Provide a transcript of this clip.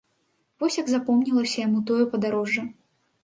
Вось як запомнілася яму тое падарожжа.